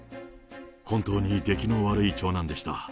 本当にできの悪い長男でした。